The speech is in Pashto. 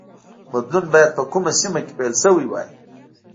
بدلون باید په کومه سیمه کې پیل شوی وای